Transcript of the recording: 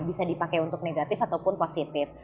bisa dipakai untuk negatif ataupun positif